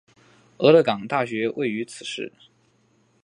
俄勒冈大学位于此市。